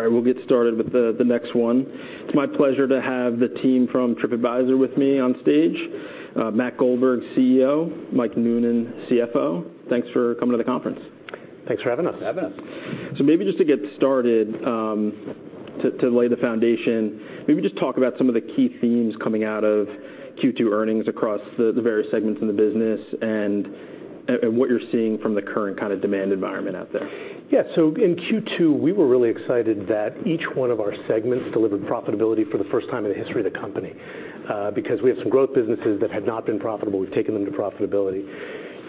All right, we'll get started with the next one. It's my pleasure to have the team from TripAdvisor with me on stage. Matt Goldberg, CEO, Mike Noonan, CFO, thanks for coming to the conference. Thanks for having us. So maybe just to get started, to lay the foundation, maybe just talk about some of the key themes coming out of Q2 earnings across the various segments in the business, and what you're seeing from the current kind of demand environment out there. Yeah, so in Q2, we were really excited that each one of our segments delivered profitability for the first time in the history of the company. Because we have some growth businesses that had not been profitable, we've taken them to profitability.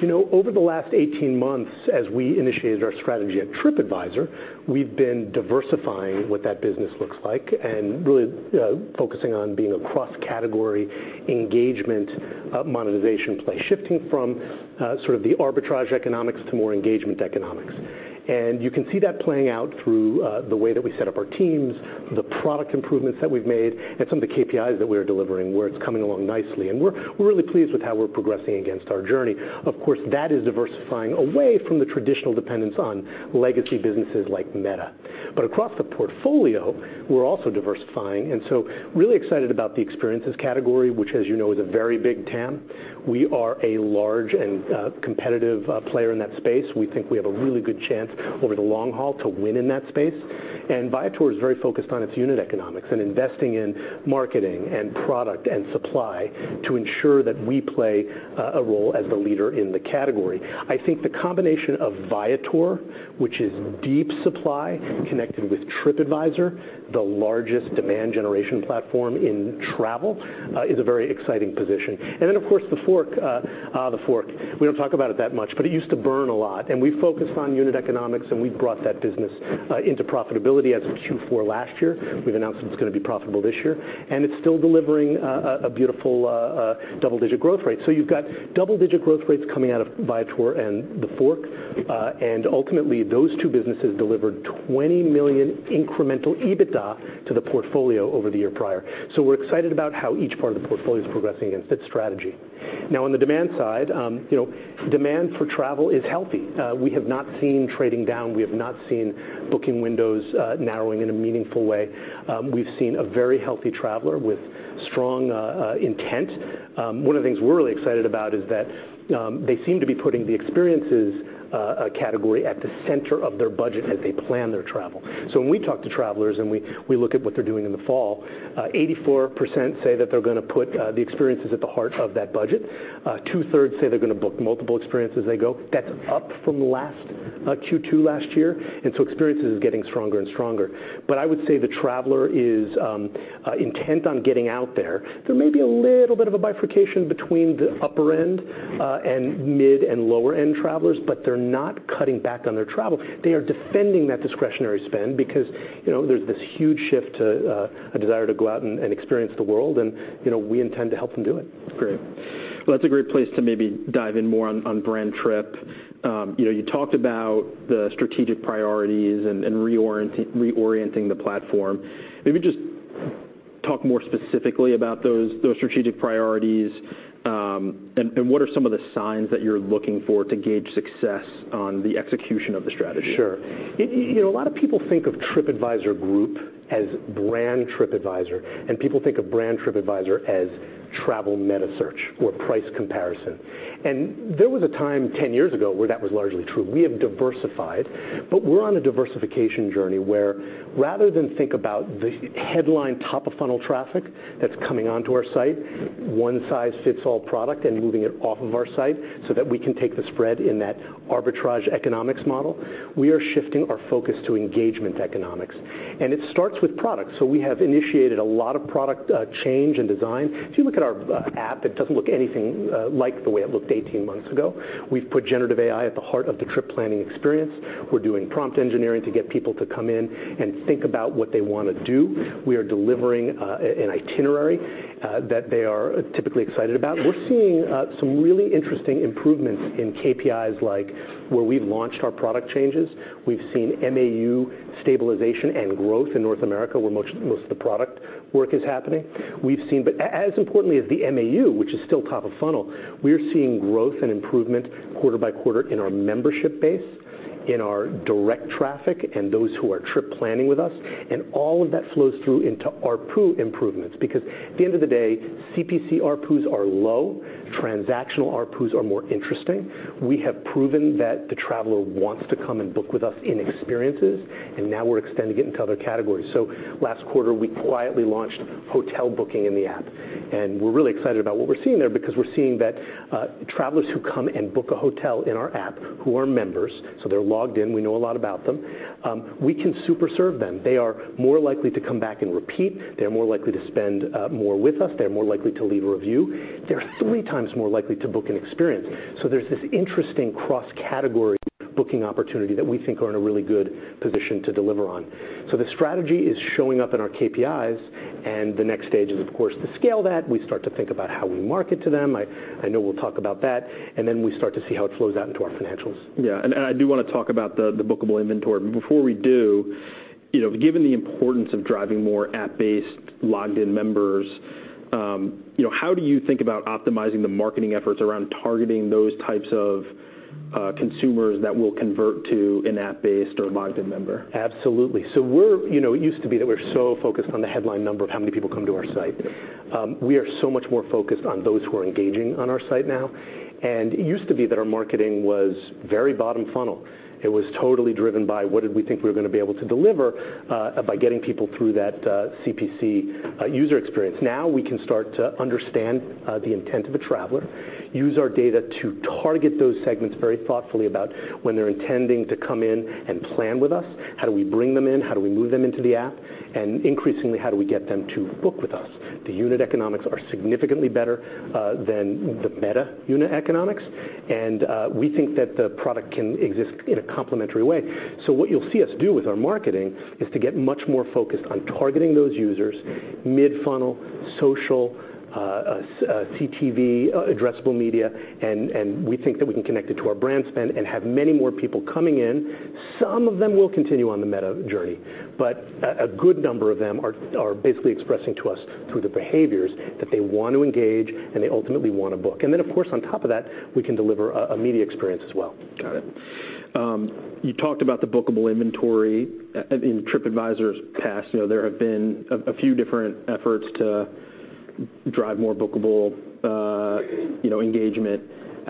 You know, over the last 18 months, as we initiated our strategy at TripAdvisor, we've been diversifying what that business looks like, and really focusing on being a cross-category engagement monetization play, shifting from sort of the arbitrage economics to more engagement economics, and you can see that playing out through the way that we set up our teams, the product improvements that we've made, and some of the KPIs that we are delivering, where it's coming along nicely, and we're really pleased with how we're progressing against our journey. Of course, that is diversifying away from the traditional dependence on legacy businesses like Meta. But across the portfolio, we're also diversifying, and so really excited about the experiences category, which, as you know, is a very big TAM. We are a large and competitive player in that space. We think we have a really good chance over the long haul to win in that space. And Viator is very focused on its unit economics and investing in marketing and product and supply to ensure that we play a role as the leader in the category. I think the combination of Viator, which is deep supply, connected with TripAdvisor, the largest demand generation platform in travel, is a very exciting position. And then, of course, TheFork. We don't talk about it that much, but it used to burn a lot, and we've focused on unit economics, and we've brought that business into profitability as of Q4 last year. We've announced it's gonna be profitable this year, and it's still delivering a beautiful double-digit growth rate. So you've got double-digit growth rates coming out of Viator and TheFork, and ultimately, those two businesses delivered 20 million incremental EBITDA to the portfolio over the year prior. So we're excited about how each part of the portfolio is progressing against its strategy. Now, on the demand side, you know, demand for travel is healthy. We have not seen trading down. We have not seen booking windows narrowing in a meaningful way. We've seen a very healthy traveler with strong intent. One of the things we're really excited about is that they seem to be putting the experiences category at the center of their budget as they plan their travel. So when we talk to travelers, and we look at what they're doing in the fall, 84% say that they're gonna put the experiences at the heart of that budget. Two-thirds say they're gonna book multiple experiences as they go. That's up from last Q2 last year, and so experiences is getting stronger and stronger. But I would say the traveler is intent on getting out there. There may be a little bit of a bifurcation between the upper end and mid and lower-end travelers, but they're not cutting back on their travel. They are defending that discretionary spend because, you know, there's this huge shift to a desire to go out and experience the world, and, you know, we intend to help them do it. Great. Well, that's a great place to maybe dive in more on brand Trip. You know, you talked about the strategic priorities and reorienting the platform. Maybe just talk more specifically about those strategic priorities, and what are some of the signs that you're looking for to gauge success on the execution of the strategy? Sure. You know, a lot of people think of TripAdvisor Group as Brand TripAdvisor, and people think of rand TripAdvisor as travel meta search or price comparison, and there was a time, ten years ago, where that was largely true. We have diversified, but we're on a diversification journey, where rather than think about the headline, top-of-funnel traffic that's coming onto our site, one-size-fits-all product, and moving it off of our site so that we can take the spread in that arbitrage economics model, we are shifting our focus to engagement economics, and it starts with product, so we have initiated a lot of product change and design. If you look at our app, it doesn't look anything like the way it looked 18 months ago. We've put generative AI at the heart of the trip planning experience. We're doing prompt engineering to get people to come in and think about what they want to do. We are delivering an itinerary that they are typically excited about. We're seeing some really interesting improvements in KPIs, like where we've launched our product changes. We've seen MAU stabilization and growth in North America, where most of the product work is happening. We've seen. But as importantly as the MAU, which is still top of funnel, we are seeing growth and improvement quarter by quarter in our membership base, in our direct traffic, and those who are trip planning with us, and all of that flows through into ARPU improvements. Because at the end of the day, CPC ARPUs are low, transactional ARPUs are more interesting. We have proven that the traveler wants to come and book with us in experiences, and now we're extending it into other categories. So last quarter, we quietly launched hotel booking in the app, and we're really excited about what we're seeing there because we're seeing that travelers who come and book a hotel in our app, who are members, so they're logged in, we know a lot about them, we can super serve them. They are more likely to come back and repeat. They're more likely to spend more with us. They're more likely to leave a review. They're three times more likely to book an experience. So there's this interesting cross-category booking opportunity that we think are in a really good position to deliver on. So the strategy is showing up in our KPIs, and the next stage is, of course, to scale that. We start to think about how we market to them. I know we'll talk about that, and then we start to see how it flows out into our financials. Yeah, and I do wanna talk about the bookable inventory. But before we do, you know, given the importance of driving more app-based, logged-in members, you know, how do you think about optimizing the marketing efforts around targeting those types of consumers that will convert to an app-based or logged-in member? Absolutely. So we're, you know, it used to be that we're so focused on the headline number of how many people come to our site. We are so much more focused on those who are engaging on our site now. And it used to be that our marketing was very bottom funnel. It was totally driven by what did we think we were going to be able to deliver by getting people through that CPC user experience. Now, we can start to understand the intent of a traveler, use our data to target those segments very thoughtfully about when they're intending to come in and plan with us, how do we bring them in, how do we move them into the app, and increasingly, how do we get them to book with us? The unit economics are significantly better than the meta unit economics, and we think that the product can exist in a complementary way, so what you'll see us do with our marketing is to get much more focused on targeting those users, mid-funnel, social, CTV, addressable media, and we think that we can connect it to our brand spend and have many more people coming in. Some of them will continue on the meta journey, but a good number of them are basically expressing to us through the behaviors that they want to engage, and they ultimately want to book, and then, of course, on top of that, we can deliver a media experience as well. Got it. You talked about the bookable inventory. In TripAdvisor's past, you know, there have been a few different efforts to drive more bookable, you know, engagement.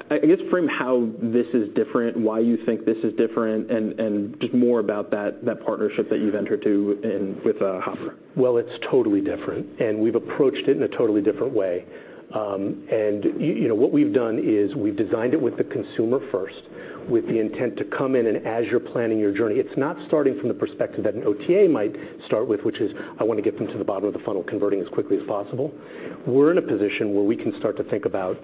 I guess frame how this is different, why you think this is different, and just more about that partnership that you've entered into with Hopper. Well, it's totally different, and we've approached it in a totally different way. You know, what we've done is we've designed it with the consumer first, with the intent to come in and as you're planning your journey. It's not starting from the perspective that an OTA might start with, which is, I want to get them to the bottom of the funnel, converting as quickly as possible. We're in a position where we can start to think about,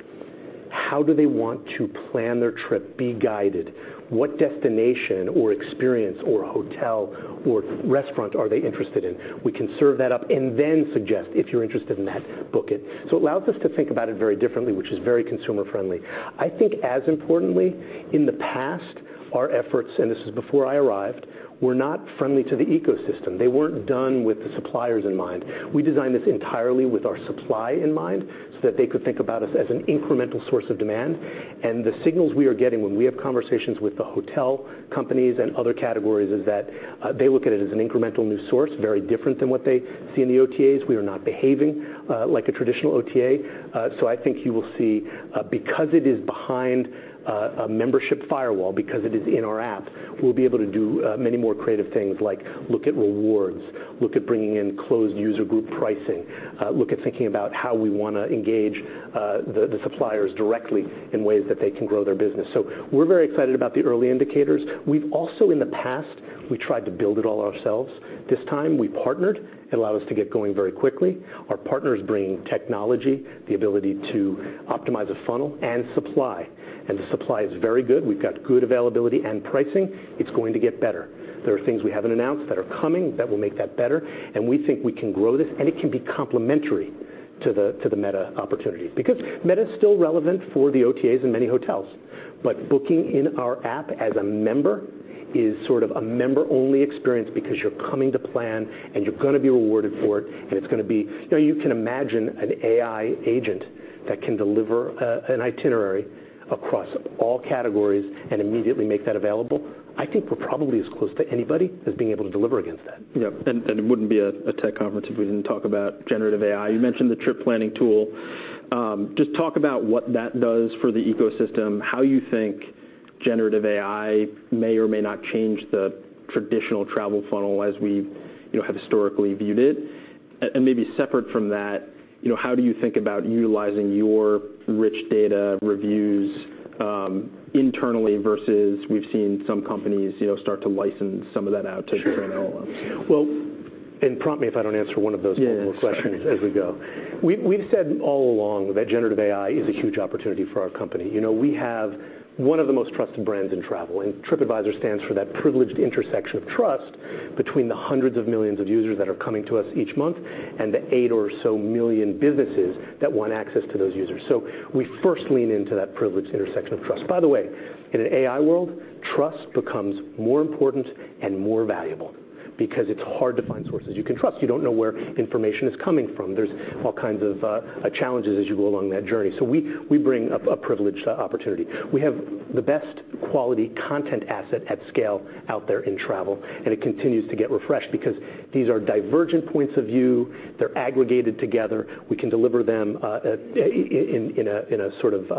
how do they want to plan their trip, be guided? What destination or experience or hotel or restaurant are they interested in? We can serve that up and then suggest, "If you're interested in that, book it." So it allows us to think about it very differently, which is very consumer-friendly. I think as importantly, in the past, our efforts, and this is before I arrived, were not friendly to the ecosystem. They weren't done with the suppliers in mind. We designed this entirely with our supply in mind, so that they could think about us as an incremental source of demand, and the signals we are getting when we have conversations with the hotel companies and other categories is that they look at it as an incremental new source, very different than what they see in the OTAs. We are not behaving like a traditional OTA. So I think you will see, because it is behind a membership firewall, because it is in our app, we'll be able to do many more creative things, like look at rewards, look at bringing in closed user group pricing, look at thinking about how we want to engage the suppliers directly in ways that they can grow their business. So we're very excited about the early indicators. We've also. In the past, we tried to build it all ourselves. This time, we partnered. It allowed us to get going very quickly. Our partner is bringing technology, the ability to optimize a funnel and supply, and the supply is very good. We've got good availability and pricing. It's going to get better. There are things we haven't announced that are coming that will make that better, and we think we can grow this, and it can be complementary to the meta opportunities. Because meta is still relevant for the OTAs and many hotels, but booking in our app as a member is sort of a member-only experience because you're coming to plan, and you're going to be rewarded for it, and it's going to be... You know, you can imagine an AI agent that can deliver an itinerary across all categories and immediately make that available. I think we're probably as close to anybody as being able to deliver against that. Yep, and it wouldn't be a tech conference if we didn't talk about generative AI. Just talk about what that does for the ecosystem, how you think generative AI may or may not change the traditional travel funnel as we, you know, have historically viewed it. And maybe separate from that, you know, how do you think about utilizing your rich data reviews internally versus we've seen some companies, you know, start to license some of that out to train LLM? Sure. Well, and prompt me if I don't answer one of- Yeah, sure. those multiple questions. We've said all along that generative AI is a huge opportunity for our company. You know, we have one of the most trusted brands in travel, and TripAdvisor stands for that privileged intersection of trust between the hundreds of millions of users that are coming to us each month and the eight or so million businesses that want access to those users. So we first lean into that privileged intersection of trust. By the way, in an AI world, trust becomes more important and more valuable because it's hard to find sources you can trust. You don't know where information is coming from. There's all kinds of challenges as you go along that journey, so we bring a privileged opportunity. We have the best quality content asset at scale out there in travel, and it continues to get refreshed because these are divergent points of view. They're aggregated together. We can deliver them in a sort of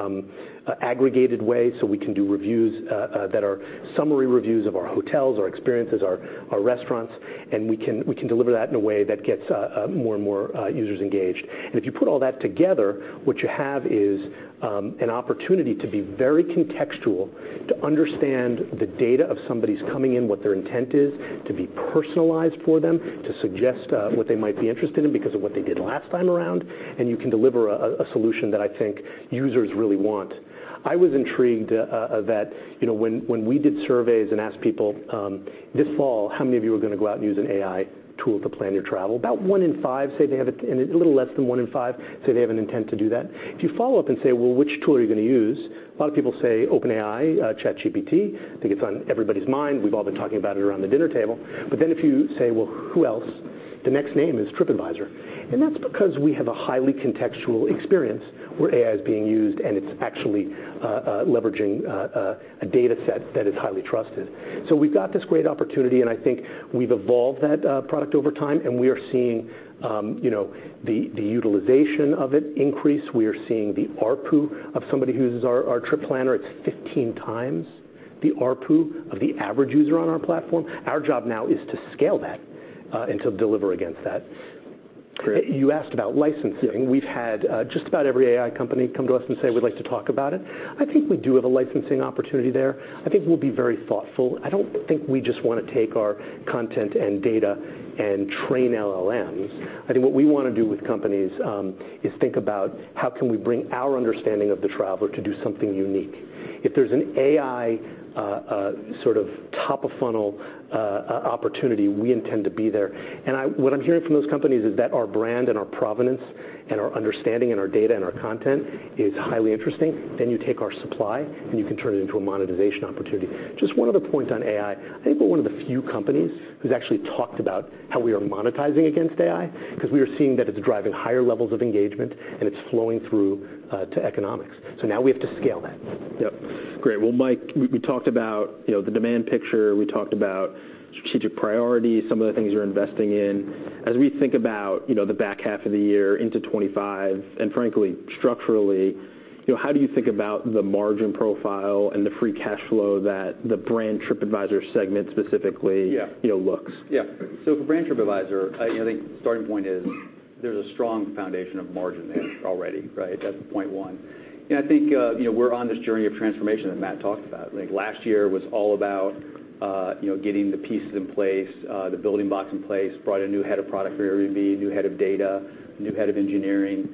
aggregated way, so we can do reviews that are summary reviews of our hotels, our experiences, our restaurants, and we can deliver that in a way that gets more and more users engaged, and if you put all that together, what you have is an opportunity to be very contextual, to understand the data of somebody's coming in, what their intent is, to be personalized for them, to suggest what they might be interested in because of what they did last time around, and you can deliver a solution that I think users really want.... I was intrigued that, you know, when we did surveys and asked people, "This fall, how many of you are gonna go out and use an AI tool to plan your travel?" About one in five say they have, and a little less than one in five say they have an intent to do that. If you follow up and say, "Well, which tool are you gonna use?" A lot of people say, "OpenAI, ChatGPT." I think it's on everybody's mind. We've all been talking about it around the dinner table. But then if you say, "Well, who else?" The next name is TripAdvisor, and that's because we have a highly contextual experience where AI is being used, and it's actually leveraging a data set that is highly trusted. So we've got this great opportunity, and I think we've evolved that product over time, and we are seeing, you know, the utilization of it increase. We are seeing the ARPU of somebody who uses our trip planner. It's 15 times the ARPU of the average user on our platform. Our job now is to scale that, and to deliver against that. Great. You asked about licensing. Yeah. We've had just about every AI company come to us and say, "We'd like to talk about it." I think we do have a licensing opportunity there. I think we'll be very thoughtful. I don't think we just wanna take our content and data and train LLMs. I think what we wanna do with companies is think about: How can we bring our understanding of the traveler to do something unique? If there's an AI sort of top-of-funnel opportunity, we intend to be there. And what I'm hearing from those companies is that our brand and our provenance and our understanding and our data and our content is highly interesting. Then you take our supply, and you can turn it into a monetization opportunity. Just one other point on AI. I think we're one of the few companies who's actually talked about how we are monetizing against AI, 'cause we are seeing that it's driving higher levels of engagement, and it's flowing through to economics, so now we have to scale that. Yep. Great. Well, Mike, we talked about, you know, the demand picture. We talked about strategic priorities, some of the things you're investing in. As we think about, you know, the back half of the year into 2025, and frankly, structurally, you know, how do you think about the margin profile and the free cash flow that the Brand TripAdvisor segment specifically? Yeah. you know, looks? Yeah. So for Brand TripAdvisor, I, you know, think the starting point is there's a strong foundation of margin there already, right? That's point one. And I think, you know, we're on this journey of transformation that Matt talked about. I think last year was all about, you know, getting the pieces in place, the building blocks in place. Brought a new head of product for Airbnb, a new head of data, a new head of engineering,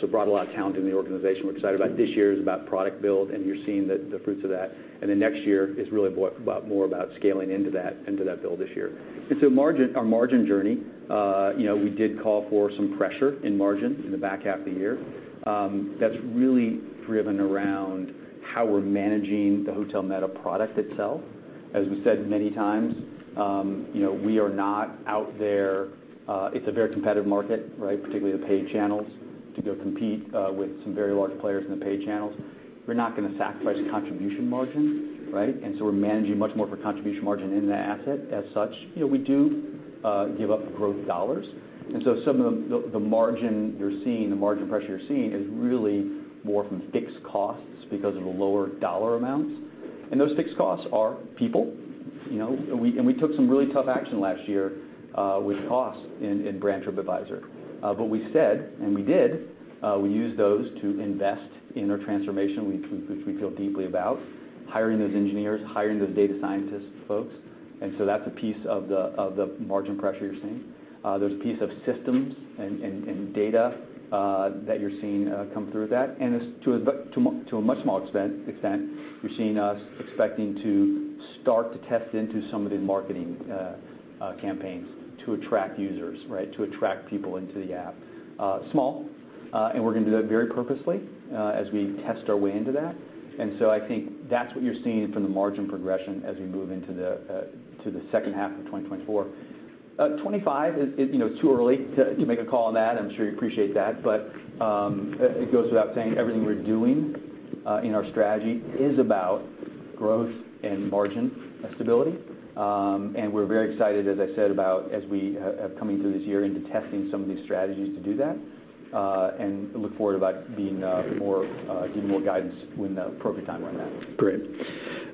so brought a lot of talent in the organization. We're excited about this year is about product build, and you're seeing the fruits of that, and then next year is really about more about scaling into that, into that build this year. And so margin, our margin journey, you know, we did call for some pressure in margin in the back half of the year. That's really driven around how we're managing the hotel meta product itself. As we said many times, you know, we are not out there. It's a very competitive market, right, particularly the paid channels, to go compete with some very large players in the paid channels. We're not gonna sacrifice contribution margin, right? And so we're managing much more for contribution margin in the asset. As such, you know, we do give up growth dollars, and so some of the margin you're seeing, the margin pressure you're seeing, is really more from fixed costs because of the lower dollar amounts, and those fixed costs are people. You know, and we took some really tough action last year with costs in Brand TripAdvisor. But we said, and we did, we used those to invest in our transformation, which we feel deeply about, hiring those engineers, hiring those data scientist folks, and so that's a piece of the margin pressure you're seeing. There's a piece of systems and data that you're seeing come through that. And to a much smaller extent, you're seeing us expecting to start to test into some of the marketing campaigns to attract users, right? To attract people into the app. Small, and we're gonna do that very purposefully, as we test our way into that. And so I think that's what you're seeing from the margin progression as we move into the second half of twenty-twenty-four. 'Twenty-five is, you know, too early to make a call on that. I'm sure you appreciate that, but it goes without saying, everything we're doing in our strategy is about growth and margin stability, and we're very excited, as I said, about as we coming through this year into testing some of these strategies to do that, and look forward about being more giving more guidance when the appropriate time around that. Great.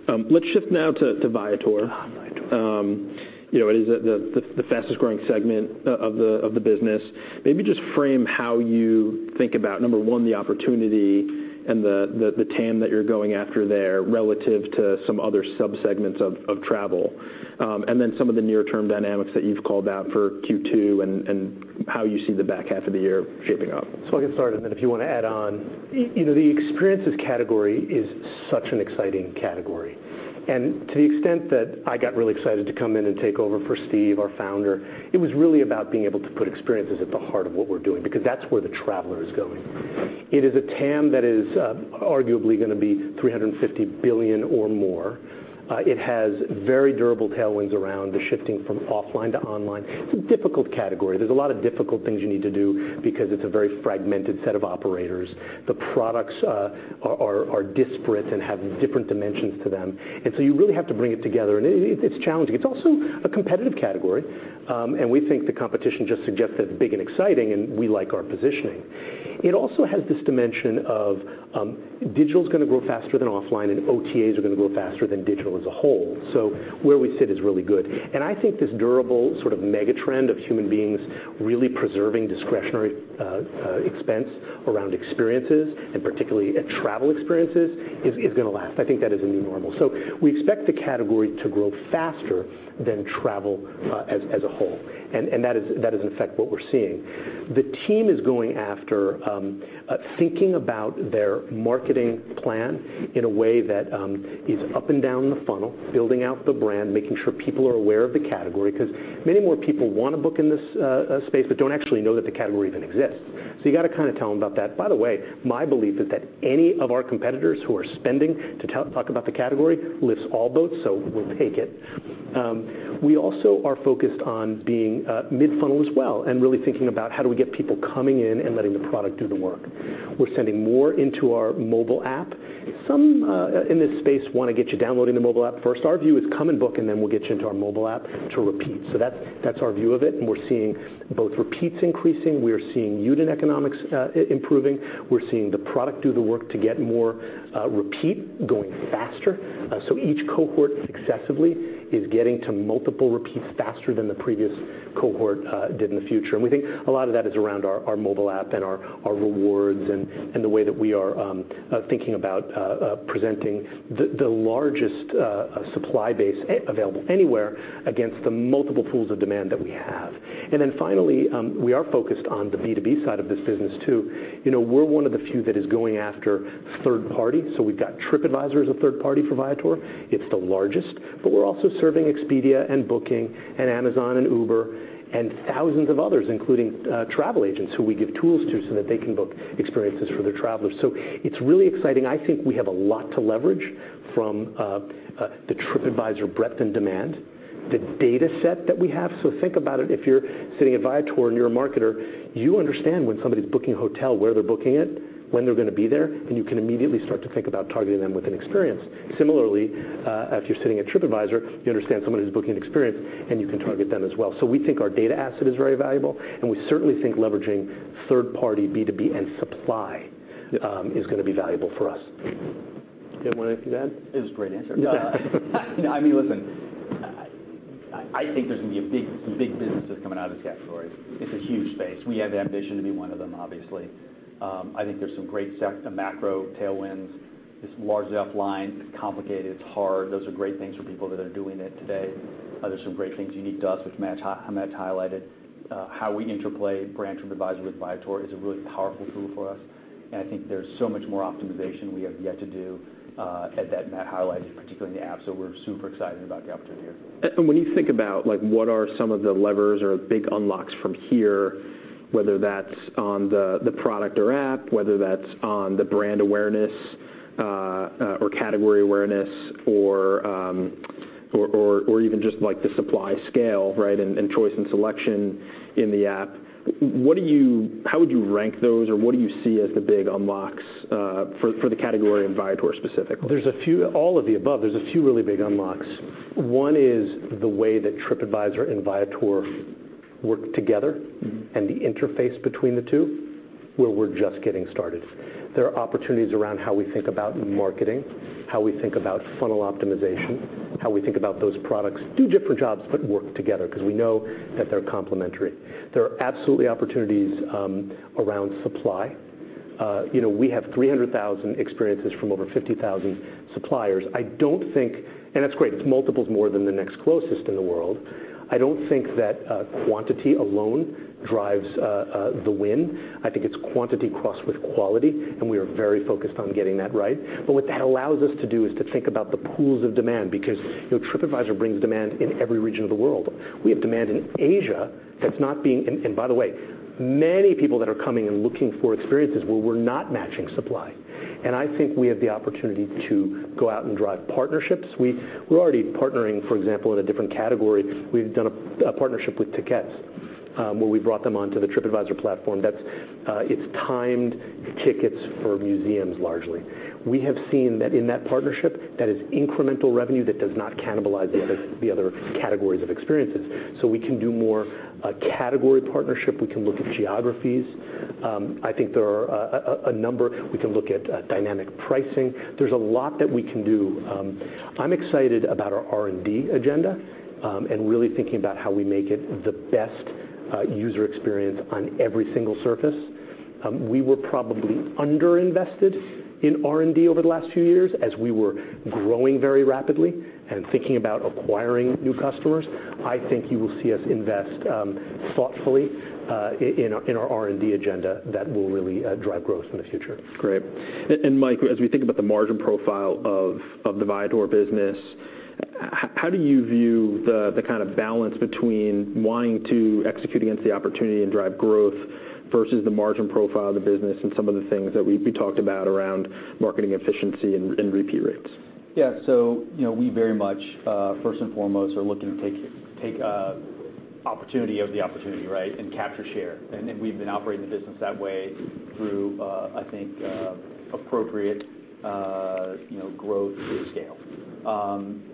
Let's shift now to Viator. Ah, Viator. You know, it is the fastest-growing segment of the business. Maybe just frame how you think about, number one, the opportunity and the TAM that you're going after there relative to some other subsegments of travel, and then some of the near-term dynamics that you've called out for Q2 and how you see the back half of the year shaping up. I'll get started, and then if you wanna add on, you know, the experiences category is such an exciting category, and to the extent that I got really excited to come in and take over for Steve, our founder, it was really about being able to put experiences at the heart of what we're doing because that's where the traveler is going. It is a TAM that is arguably gonna be $350 billion or more. It has very durable tailwinds around the shifting from offline to online. It's a difficult category. There's a lot of difficult things you need to do because it's a very fragmented set of operators. The products are disparate and have different dimensions to them, and so you really have to bring it together, and it's challenging. It's also a competitive category, and we think the competition just suggests that it's big and exciting, and we like our positioning. It also has this dimension of digital's gonna grow faster than offline, and OTAs are gonna grow faster than digital as a whole. So where we sit is really good. I think this durable sort of mega trend of human beings really preserving discretionary expense around experiences, and particularly travel experiences, is gonna last. I think that is a new normal. So we expect the category to grow faster than travel as a whole, and that is, in fact, what we're seeing. The team is going after thinking about their marketing plan in a way that is up and down the funnel, building out the brand, making sure people are aware of the category, 'cause many more people wanna book in this space, but don't actually know that the category even exists. So you gotta kind of tell them about that. By the way, my belief is that any of our competitors who are spending to talk about the category, lifts all boats, so we'll take it. We also are focused on being mid-funnel as well, and really thinking about how do we get people coming in and letting the product do the work. We're sending more into our mobile app. Some in this space wanna get you downloading the mobile app first. Our view is come and book, and then we'll get you into our mobile app to repeat, so that's our view of it, and we're seeing both repeats increasing, and we are seeing unit economics improving. We're seeing the product do the work to get more repeat going faster, so each cohort successively is getting to multiple repeats faster than the previous cohort did in the future, and we think a lot of that is around our mobile app and our rewards, and the way that we are thinking about presenting the largest supply base available anywhere against the multiple pools of demand that we have, and then finally, we are focused on the B2B side of this business, too. You know, we're one of the few that is going after third party, so we've got TripAdvisor as a third party for Viator. It's the largest, but we're also serving Expedia and Booking and Amazon and Uber and thousands of others, including, travel agents, who we give tools to so that they can book experiences for their travelers. So it's really exciting. I think we have a lot to leverage from, the TripAdvisor breadth and demand, the data set that we have. So think about it, if you're sitting at Viator and you're a marketer, you understand when somebody's booking a hotel, where they're booking it, when they're gonna be there, and you can immediately start to think about targeting them with an experience. Similarly, if you're sitting at TripAdvisor, you understand someone who's booking an experience, and you can target them as well. So we think our data asset is very valuable, and we certainly think leveraging third-party B2B and supply is gonna be valuable for us. Do you have anything to add? It was a great answer. I mean, listen, I think there's gonna be some big businesses coming out of this category. It's a huge space. We have the ambition to be one of them, obviously. I think there's some great setup macro tailwinds. It's largely offline, it's complicated, it's hard. Those are great things for people that are doing it today. There's some great things unique to us, which Matt highlighted. How we interplay brand TripAdvisor with Viator is a really powerful tool for us, and I think there's so much more optimization we have yet to do, as that Matt highlighted, particularly in the app. So we're super excited about the opportunity here. And when you think about, like, what are some of the levers or big unlocks from here, whether that's on the product or app, whether that's on the brand awareness, or category awareness, or even just, like, the supply scale, right? And choice and selection in the app, how would you rank those, or what do you see as the big unlocks, for the category and Viator specifically? All of the above. There's a few really big unlocks. One is the way that TripAdvisor and Viator work together- Mm-hmm. and the interface between the two, where we're just getting started. There are opportunities around how we think about marketing, how we think about funnel optimization, how we think about those products do different jobs, but work together, 'cause we know that they're complementary. There are absolutely opportunities around supply. You know, we have 300,000 experiences from over 50,000 suppliers. I don't think and that's great. It's multiples more than the next closest in the world. I don't think that quantity alone drives the win. I think it's quantity crossed with quality, and we are very focused on getting that right. But what that allows us to do is to think about the pools of demand, because, you know, TripAdvisor brings demand in every region of the world. We have demand in Asia that's not being... And by the way, many people that are coming and looking for experiences where we're not matching supply, and I think we have the opportunity to go out and drive partnerships. We're already partnering, for example, in a different category. We've done a partnership with Tiqets, where we brought them onto the TripAdvisor platform. That's. It's timed tickets for museums, largely. We have seen that in that partnership, that is incremental revenue that does not cannibalize the other categories of experiences, so we can do more category partnership. We can look at geographies. I think there are a number. We can look at dynamic pricing. There's a lot that we can do. I'm excited about our R&D agenda, and really thinking about how we make it the best user experience on every single surface. We were probably underinvested in R&D over the last few years, as we were growing very rapidly and thinking about acquiring new customers. I think you will see us invest thoughtfully in our R&D agenda that will really drive growth in the future. Great. And Mike, as we think about the margin profile of the Viator business, how do you view the kind of balance between wanting to execute against the opportunity and drive growth versus the margin profile of the business and some of the things that we talked about around marketing efficiency and repeat rates? Yeah. So, you know, we very much, first and foremost, are looking to take advantage of the opportunity, right? And capture share. And then we've been operating the business that way through, I think, appropriate, you know, growth to scale.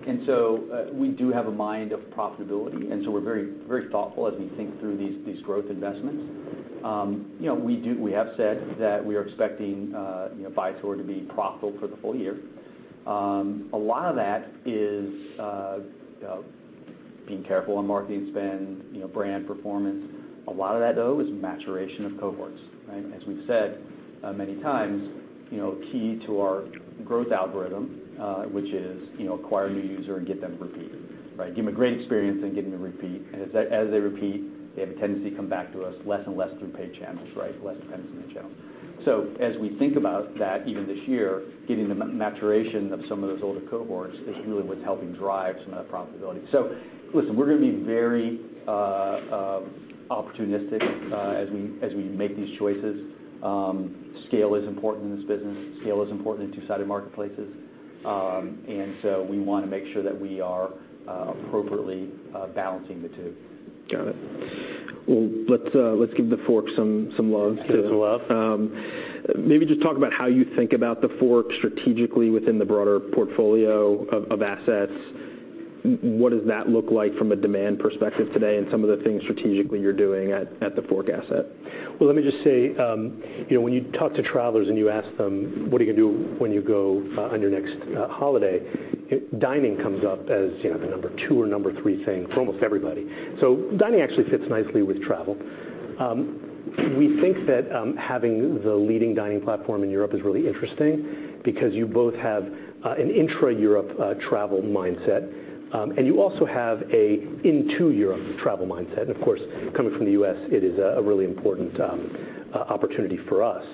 And so, we are mindful of profitability, and so we're very, very thoughtful as we think through these growth investments. You know, we have said that we are expecting, you know, Viator to be profitable for the full year. A lot of that is being careful on marketing spend, you know, brand performance. A lot of that, though, is maturation of cohorts, right? As we've said, many times, you know, key to our growth algorithm, which is, you know, acquire a new user and get them to repeat, right? Give them a great experience, and get them to repeat, and as they repeat, they have a tendency to come back to us less and less through paid channels, right? Less depends on the channel. So as we think about that, even this year, getting the maturation of some of those older cohorts is really what's helping drive some of that profitability. So listen, we're gonna be very opportunistic as we make these choices. Scale is important in this business. Scale is important in two-sided marketplaces, and so we wanna make sure that we are appropriately balancing the two. Got it. Well, let's give TheFork some love. Some love? Maybe just talk about how you think about TheFork strategically within the broader portfolio of assets. What does that look like from a demand perspective today, and some of the things strategically you're doing at TheFork asset? Let me just say, you know, when you talk to travelers, and you ask them: What are you gonna do when you go on your next holiday? Dining comes up as, you know, the number two or number three thing for almost everybody. So dining actually fits nicely with travel. We think that having the leading dining platform in Europe is really interesting because you both have an intra-Europe travel mindset, and you also have an into Europe travel mindset. And of course, coming from the U.S., it is a really important opportunity for us.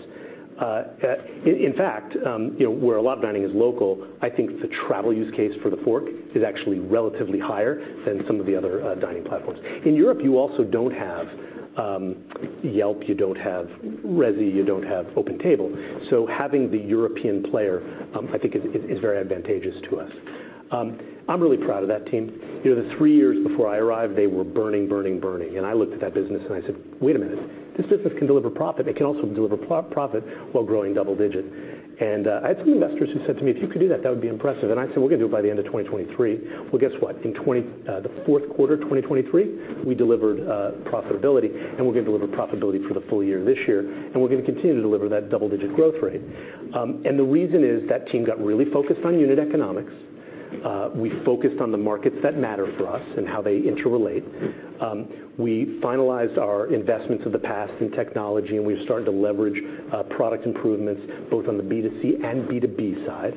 In fact, you know, where a lot of dining is local, I think the travel use case for TheFork is actually relatively higher than some of the other dining platforms. In Europe, you also don't have Yelp, you don't have Resy, you don't have OpenTable, so having the European player I think is very advantageous to us. I'm really proud of that team. You know, the three years before I arrived, they were burning, burning, burning, and I looked at that business, and I said, "Wait a minute, this business can deliver profit. It can also deliver profit while growing double digit." I had some investors who said to me, "If you could do that, that would be impressive." I said, "We're gonna do it by the end of 2023." Guess what? In the fourth quarter of 2023, we delivered profitability, and we're gonna deliver profitability for the full year this year, and we're gonna continue to deliver that double-digit growth rate. And the reason is that team got really focused on unit economics. We focused on the markets that matter for us and how they interrelate. We finalized our investments of the past in technology, and we've started to leverage product improvements, both on the B2C and B2B side.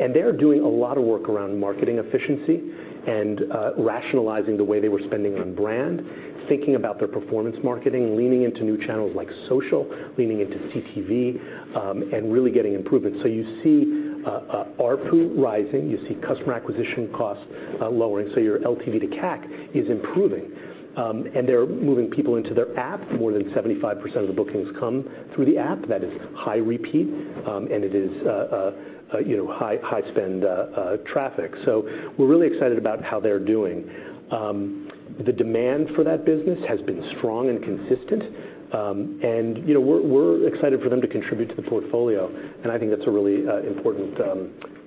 And they're doing a lot of work around marketing efficiency and rationalizing the way they were spending on brand, thinking about their performance marketing, leaning into new channels like social, leaning into CTV, and really getting improvements. So you see ARPU rising. You see customer acquisition costs lowering, so your LTV to CAC is improving. And they're moving people into their app. More than 75% of the bookings come through the app. That is high repeat, and it is, you know, high, high-spend traffic. So we're really excited about how they're doing. The demand for that business has been strong and consistent, and, you know, we're excited for them to contribute to the portfolio, and I think that's a really important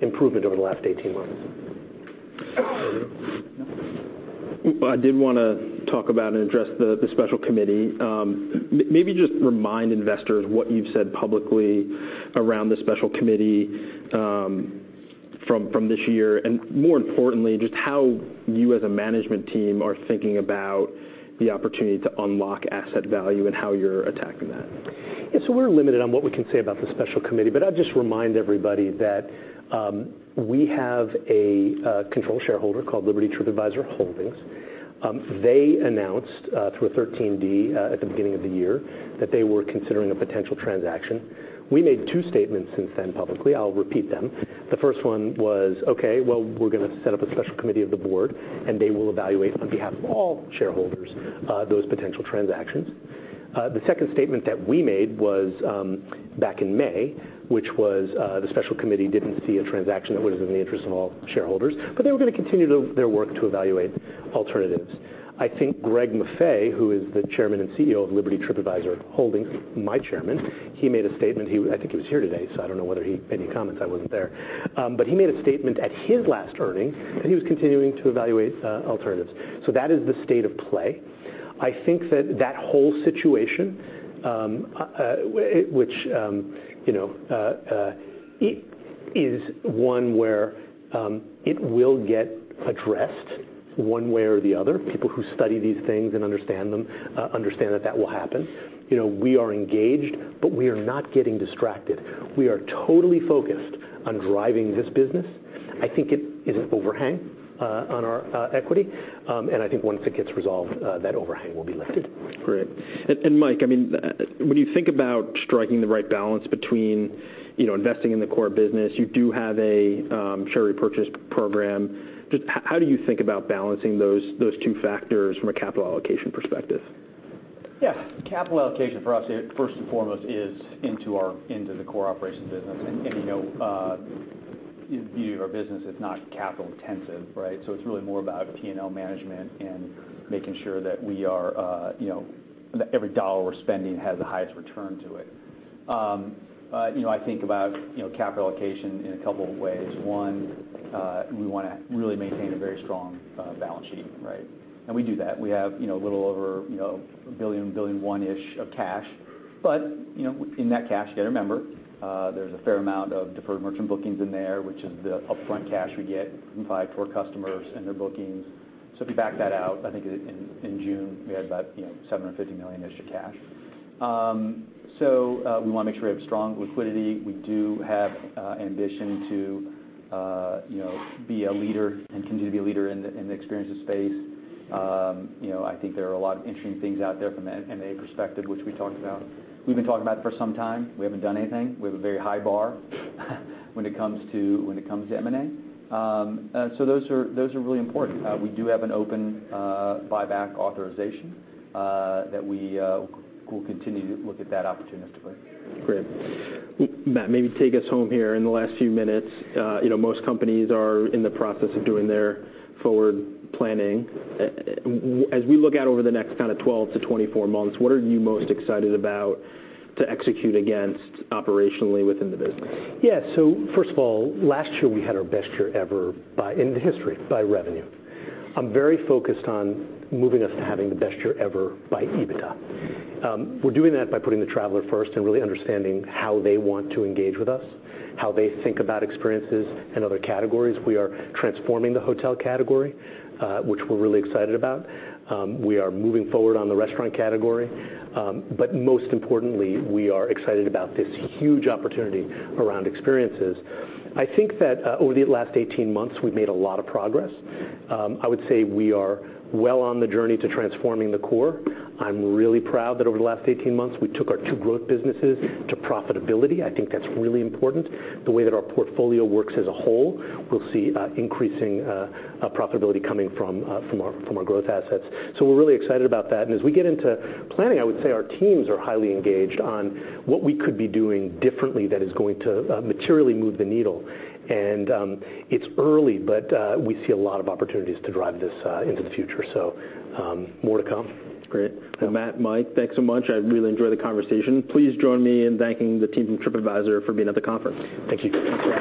improvement over the last eighteen months. I did wanna talk about and address the, the special committee. Maybe just remind investors what you've said publicly around the special committee, from this year, and more importantly, just how you as a management team are thinking about the opportunity to unlock asset value and how you're attacking that. Yeah, so we're limited on what we can say about the special committee, but I'd just remind everybody that we have a control shareholder called Liberty TripAdvisor Holdings. They announced through a 13D at the beginning of the year that they were considering a potential transaction. We made two statements since then publicly. I'll repeat them. The first one was, "Okay, well, we're gonna set up a special committee of the board, and they will evaluate on behalf of all shareholders those potential transactions." The second statement that we made was back in May, which was the special committee didn't see a transaction that was in the interest of all shareholders, but they were gonna continue their work to evaluate alternatives. I think Greg Maffei, who is the Chairman and CEO of Liberty TripAdvisor Holdings, my Chairman, he made a statement. I think he was here today, so I don't know whether he made any comments. I wasn't there. But he made a statement at his last earnings, that he was continuing to evaluate alternatives. So that is the state of play. I think that that whole situation, which, you know, is one where it will get addressed one way or the other. People who study these things and understand them understand that that will happen. You know, we are engaged, but we are not getting distracted. We are totally focused on driving this business. I think it is an overhang on our equity, and I think once it gets resolved, that overhang will be lifted. Great. And Mike, I mean, when you think about striking the right balance between, you know, investing in the core business, you do have a share repurchase program. Just how do you think about balancing those two factors from a capital allocation perspective? Yeah. Capital allocation for us, first and foremost, is into the core operations business. You know, the beauty of our business is not capital intensive, right? So it's really more about P&L management and making sure that we are, you know, that every dollar we're spending has the highest return to it. You know, I think about, you know, capital allocation in a couple of ways. One, we wanna really maintain a very strong balance sheet, right? And we do that. We have a little over a billion one-ish of cash. But, you know, in that cash, you gotta remember, there's a fair amount of deferred merchant bookings in there, which is the upfront cash we get from five core customers and their bookings. So if you back that out, I think in June, we had about, you know, $750 million extra cash. So, we wanna make sure we have strong liquidity. We do have ambition to, you know, be a leader and continue to be a leader in the experiences space. You know, I think there are a lot of interesting things out there from an M&A perspective, which we talked about. We've been talking about it for some time. We haven't done anything. We have a very high bar when it comes to M&A. So those are really important. We do have an open buyback authorization that we will continue to look at that opportunistically. Great. Matt, maybe take us home here in the last few minutes. You know, most companies are in the process of doing their forward planning. As we look out over the next kind of twelve to twenty-four months, what are you most excited about to execute against operationally within the business? Yeah. So first of all, last year we had our best year ever by revenue in the history. I'm very focused on moving us to having the best year ever by EBITDA. We're doing that by putting the traveler first and really understanding how they want to engage with us, how they think about experiences and other categories. We are transforming the hotel category, which we're really excited about. We are moving forward on the restaurant category, but most importantly, we are excited about this huge opportunity around experiences. I think that over the last eighteen months, we've made a lot of progress. I would say we are well on the journey to transforming the core. I'm really proud that over the last eighteen months, we took our two growth businesses to profitability. I think that's really important, the way that our portfolio works as a whole. We'll see increasing profitability coming from our growth assets. So we're really excited about that. And as we get into planning, I would say our teams are highly engaged on what we could be doing differently that is going to materially move the needle. And it's early, but we see a lot of opportunities to drive this into the future. So more to come. Great. Well, Matt, Mike, thanks so much. I really enjoyed the conversation. Please join me in thanking the team from TripAdvisor for being at the conference. Thank you.